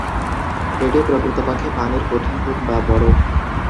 এটি প্রকৃতপক্ষে পানির কঠিন রূপ বা বরফ।